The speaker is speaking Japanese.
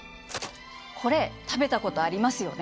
これ食べたことありますよね？